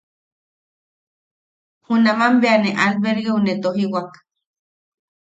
Junaman bea ne albergeu ne tojiwak.